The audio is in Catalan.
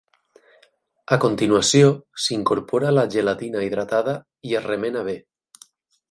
A continuació s’incorpora la gelatina hidratada i es remena bé.